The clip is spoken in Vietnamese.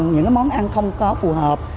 những món ăn không có phù hợp